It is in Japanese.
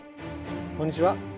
こんにちは。